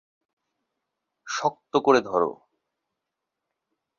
শক্ত করে ধরো!